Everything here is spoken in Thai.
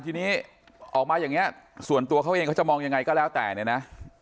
ทีนี้ออกมาอย่างนี้ส่วนตัวเขาเองเขาจะมองยังไงก็แล้วแต่เนี่ยนะ